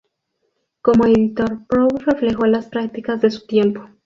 Como editor, Prout reflejó las prácticas de su tiempo.